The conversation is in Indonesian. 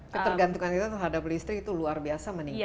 ketergantungan kita terhadap listri itu luar biasa meningkat ya